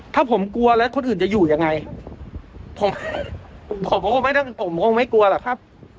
ถ้าผมกลัวแล้วคนอื่นจะอยู่ยังไงผมผมก็คงไม่ต้องผมคงไม่กลัวหรอกครับ